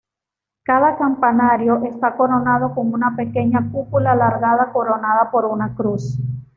Cada campanario está coronado con una pequeña cúpula alargada, coronada por una cruz.